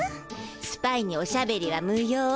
スパイにおしゃべりは無用。